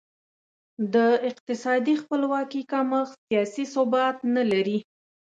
د اقتصادي خپلواکي کمښت سیاسي ثبات نه لري.